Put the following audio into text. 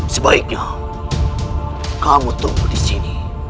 sebaiknya kamu tumbuh di sini